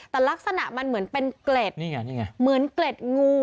แต่ลักษณะมันเหมือนเป็นเกร็ดเหมือนเกร็ดงู